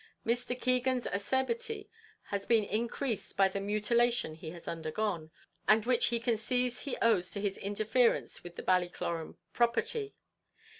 Mr. Keegan's acerbity has been increased by the mutilation he has undergone, and which he conceives he owes to his interference with the Ballycloran property.